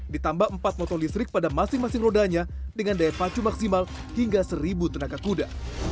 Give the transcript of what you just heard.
ditambah empat motor listrik pada masing masing rodanya dengan daya pacu maksimal hingga seribu tenaga kuda